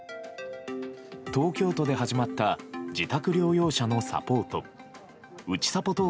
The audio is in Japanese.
東京都で始まった自宅療養者のサポートうちさぽ